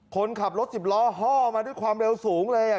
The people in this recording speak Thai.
คนขับรถ๑๐ล้อห้อมาด้วยความเร็วสูงเลย